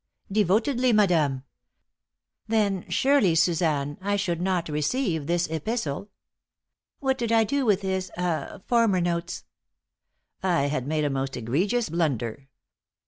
"Devotedly, madame." "Then, surely, Suzanne, I should not receive this epistle. What did I do with his ah former notes?" I had made a most egregious blunder.